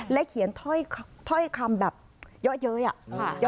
เขียนถ้อยคำแบบเยอะเย้ยอะ